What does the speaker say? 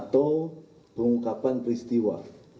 atau pengungkapan peristiwa